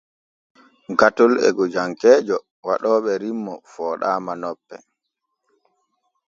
Gatol e gojankeejo waɗooɓe rimmo fooɗaama nope.